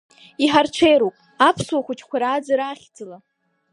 Иҳарҽеироуп, аԥсуа хәыҷқәа рааӡара ахьӡала.